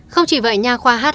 không chỉ vậy nhà khoa hh